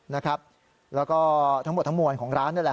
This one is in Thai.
และก็ทั้งหมดทั้งหมวดของร้านด้วย